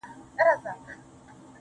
زما د لاس شينكى خال يې له وخته وو ساتلى.